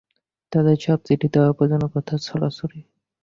তাদের সব চিঠিতেই অপ্রয়োজনীয় কথার ছড়াছড়ি।